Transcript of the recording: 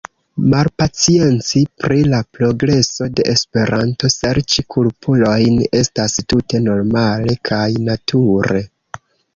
Malpacienci pri la progreso de Esperanto, serĉi kulpulojn, estas tute normale kaj nature.